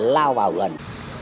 lao vào gần